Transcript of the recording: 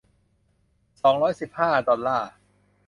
สองร้อยสิบห้า ดอลลาร์